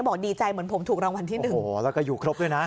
บอกดีใจเหมือนผมถูกรางวัลที่หนึ่งโอ้โหแล้วก็อยู่ครบด้วยนะ